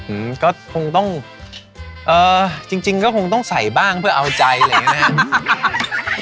อืมก็คงต้องเอ่อจริงจริงก็คงต้องใส่บ้างเพื่อเอาใจอะไรอย่างนี้นะครับ